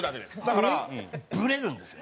だからブレるんですよね。